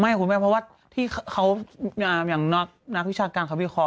ไม่คุณแมร์เพราะว่าให้เขานักวิชาการควัลคอร์